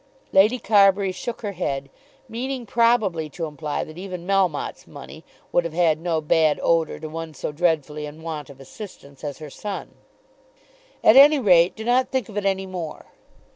Lady Carbury shook her head, meaning probably to imply that even Melmotte's money would have had no bad odour to one so dreadfully in want of assistance as her son. "At any rate do not think of it any more."